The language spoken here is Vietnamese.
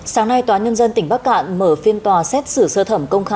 phạm anh tú cơ quan công an phát hiện thu giữ một khẩu súng